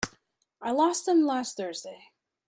I lost them last Thursday.